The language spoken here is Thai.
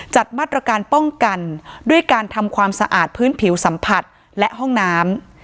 จัดมาตรการป้องกันด้วยการทำความสะอาดพื้นผิวสัมผัสและห้องน้ำ